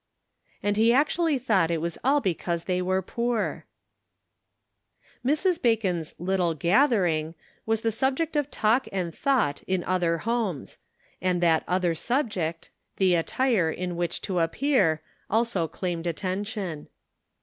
And he actually thought it was all because they were poor ! Mrs. Bacon's "little gathering" was the subject of talk and thought in other homes ; and that other subject, the attire in which to appear, also claimed attention.